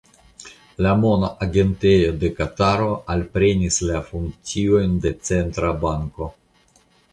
La Mona Agentejo de Kataro alprenis la funkciojn de centra banko.